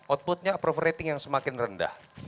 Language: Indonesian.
outputnya approval rating yang semakin rendah